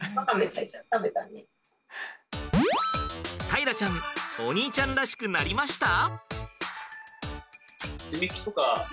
大樂ちゃんお兄ちゃんらしくなりました？